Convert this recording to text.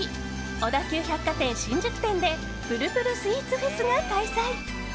小田急百貨店新宿店でぷるぷるスイーツフェスが開催！